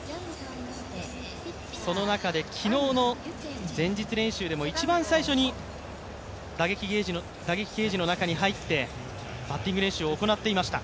その中で昨日の前日練習で一番最初に打撃ケージの中に入ってバッティング練習を行っていました。